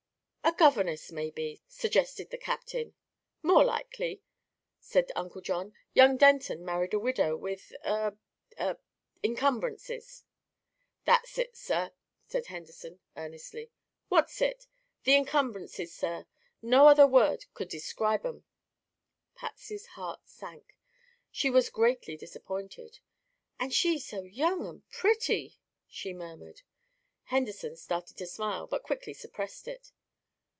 "A governess, maybe," suggested the captain. "More likely," said Uncle John, "young Denton married a widow, with eh eh incumbrances." "That's it, sir," said Henderson earnestly. "What's it?" "The incumbrances, sir. No other word could describe 'em." Patsy's heart sank; she was greatly disappointed. "And she so young and pretty!" she murmured. Henderson started to smile, but quickly suppressed it.